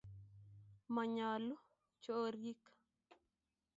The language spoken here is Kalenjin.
Manyaluu chorik